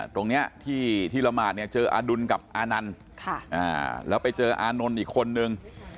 ตรงนี้ที่ละหมาดเนี่ยเจออดุลกับอานันต์แล้วไปเจออานนท์อีกคนนึง